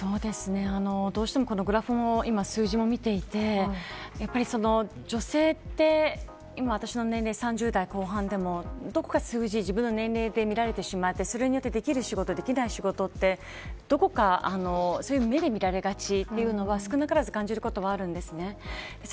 どうしても、このグラフも数字も見ていて女性って今、私の年齢３０代後半でもどこか自分の年齢で見られてしまってそれによってできる仕事できない仕事ってどこか、そういう目で見られがちということは少なからず感じることがあります。